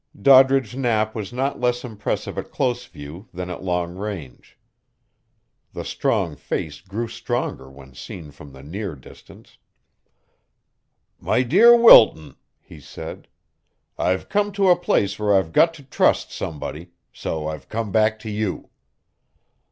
Doddridge Knapp was not less impressive at close view than at long range. The strong face grew stronger when seen from the near distance. "My dear Wilton," he said, "I've come to a place where I've got to trust somebody, so I've come back to you."